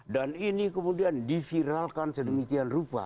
dan ini kemudian diviralkan sedemikian rupa